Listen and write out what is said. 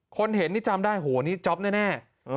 คนเห็นนี่จำได้โหนี่จ๊อปแน่